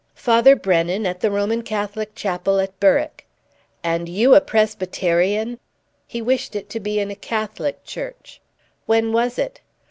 "Father Brennan, at the Roman Catholic Chapel at Berwick." "And you a Presbyterian?" "He wished it to be in a Catholic Church." "When was it?"